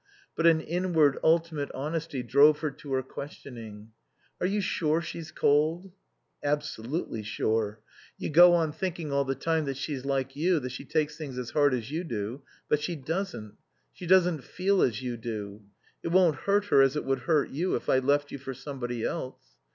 But an inward, ultimate honesty drove her to her questioning. "Are you sure she's cold?" "Absolutely sure. You go on thinking all the time that she's like you, that she takes things as hard as you do; but she doesn't. She doesn't feel as you do. It won't hurt her as it would hurt you if I left you for somebody else."